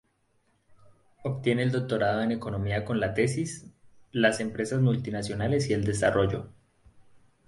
Obtiene el doctorado en Economía con la tesis "Las empresas multinacionales y el desarrollo".